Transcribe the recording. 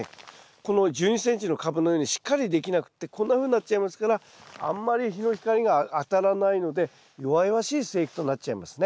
この１２ｃｍのカブのようにしっかりできなくってこんなふうになっちゃいますからあんまり日の光が当たらないので弱々しい生育となっちゃいますね。